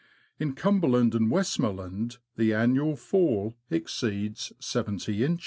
In Cumberland and Westmoreland the annual fall exceeds yoin.